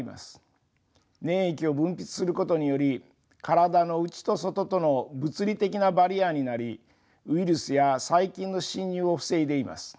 粘液を分泌することにより体の内と外との物理的なバリアになりウイルスや細菌の侵入を防いでいます。